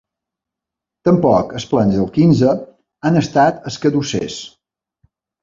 Tampoc els plens al quinze han estat escadussers.